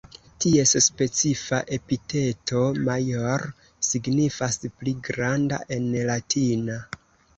Ties specifa epiteto "major", signifas "pli granda" en latina.